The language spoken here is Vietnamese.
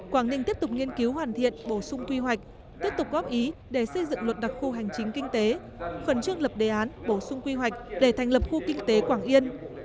quảng ninh tiếp tục nghiên cứu hoàn thiện bổ sung quy hoạch tiếp tục góp ý để xây dựng luật đặc khu hành chính kinh tế khẩn trương lập đề án bổ sung quy hoạch để thành lập khu kinh tế quảng yên